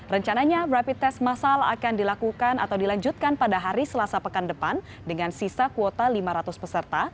rencananya rapid test masal akan dilakukan atau dilanjutkan pada hari selasa pekan depan dengan sisa kuota lima ratus peserta